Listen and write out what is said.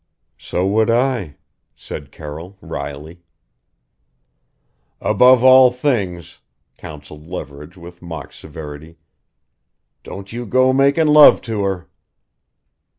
"So would I," said Carroll wryly. "Above all things," counseled Leverage with mock severity: "Don't you go making love to her."